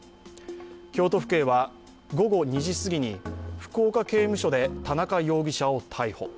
京都府警は午後２時すぎに福岡刑務所で田中容疑者を逮捕。